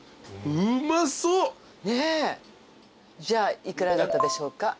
じゃあ幾らだったでしょうか？